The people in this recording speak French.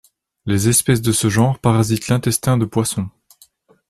Les espèces de ce genre parasitent l'intestin de poissons.